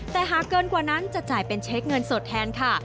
แต่หากเกินกว่านั้นจะจ่ายเป็นเช็คเงินสดแทนค่ะ